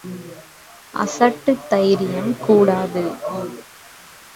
அசட்டுத் தைரியம் கூடாது.